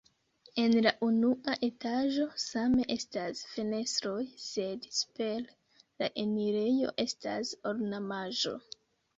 En la unua etaĝo same estas fenestroj, sed super la enirejo estas ornamaĵo.